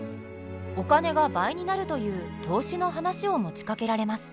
お金が倍になるという投資の話を持ちかけられます。